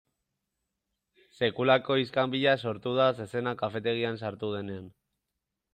Sekulako iskanbila sortu da zezena kafetegian sartu denean.